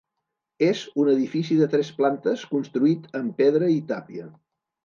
És un edifici de tres plantes construït amb pedra i tapia.